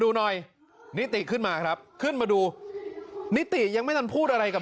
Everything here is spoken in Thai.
ดูหน่อยนิติขึ้นมาครับขึ้นมาดูนิติยังไม่ทันพูดอะไรกับ